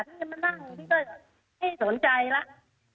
พี่จะมานั่งพี่ก็ให้สนใจแล้ว